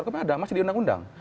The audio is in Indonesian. karena masih di undang undang